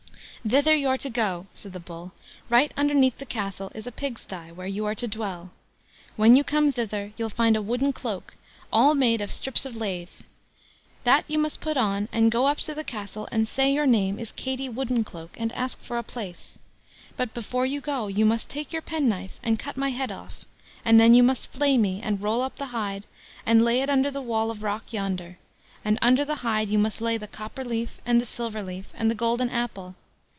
"Thither you're to go", said the Bull. "Right underneath the castle is a pig sty, where you are to dwell. When you come thither you'll find a wooden cloak, all made of strips of lath; that you must put on, and go up to the castle and say your name is 'Katie Woodencloak', and ask for a place. But before you go, you must take your penknife and cut my head off, and then you must flay me, and roll up the hide, and lay it under the wall of rock yonder, and under the hide you must lay the copper leaf, and the silver leaf, and the golden apple.